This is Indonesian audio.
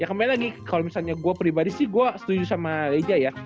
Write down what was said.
ya kembali lagi kalau misalnya gue pribadi sih gue setuju sama lija ya